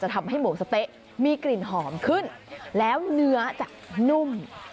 ทำให้หมูสะเต๊ะมีกลิ่นหอมขึ้นแล้วเนื้อจะนุ่ม